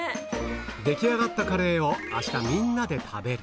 出来上がったカレーを、あした、みんなで食べる。